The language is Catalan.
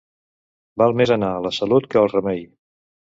Val més anar a la Salut que al Remei.